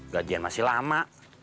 gajian masih lama